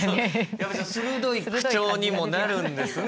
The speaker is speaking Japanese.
やっぱり鋭い口調にもなるんですね